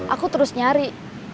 aku terus nyari